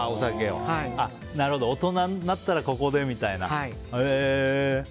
大人になったらここでみたいな。